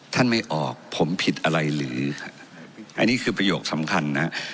ไม่ออกผมผิดอะไรหรืออันนี้คือประโยคสำคัญนะฮะ